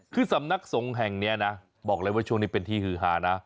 คือสำนักสงฆ์แห่งนี้นะบอกเลยว่าช่วงนี้เป็นที่ฮือหานะ